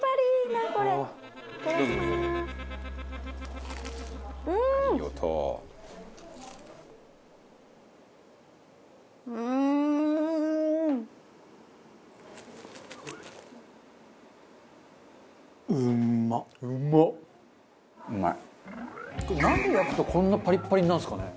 なんで焼くとこんなパリッパリになるんですかね。